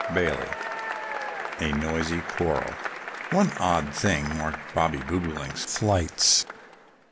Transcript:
XXII A NOISY QUARREL One odd thing marked Bobby Bobolink's flights.